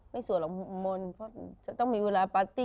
สวดหรอกมนต์เพราะจะต้องมีเวลาปาร์ตี้